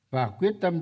và quyết tâm trí